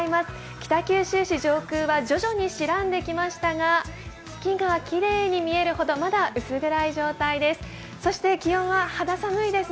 北九州市上空は徐々に白んできましたが、月がきれいに見えるほどまだ薄暗い状態です。